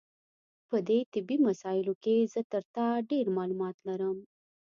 په دې طبي مسایلو کې زه تر تا ډېر معلومات لرم.